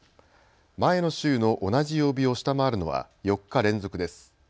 前の週の同じ曜日を下回るのは４日連続です。